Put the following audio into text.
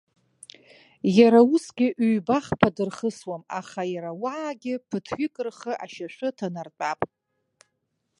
Иара, усгьы ҩба-хԥа дырхысуам, аха иара уаагьы, ԥыҭҩык рхы ашьашәы ҭанартәап!